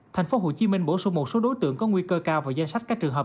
thành phố hồ chí minh bổ sung một số đối tượng có nguy cơ cao vào danh sách các trường hợp